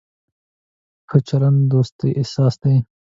ښه چلند د دوستۍ اساس دی.